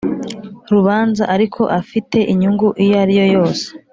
Rubanza ariko afite inyungu iyo ari yo yose